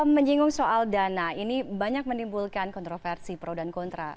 menyinggung soal dana ini banyak menimbulkan kontroversi pro dan kontra